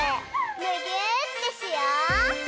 むぎゅーってしよう！